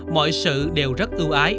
mọi sự đều rất ưu ái